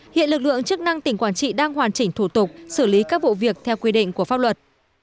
hiện lực lượng chức năng tỉnh quảng trị đang hoàn chỉnh thủ tục xử lý các vụ việc theo quy định của pháp luật